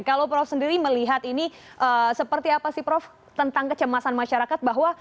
kalau prof sendiri melihat ini seperti apa sih prof tentang kecemasan masyarakat bahwa